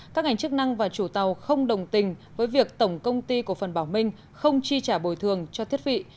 các ngành chức năng và chủ tàu không đồng tình với việc tổng công ty của phần bảo minh không chi trả bồi thường cho thiết bị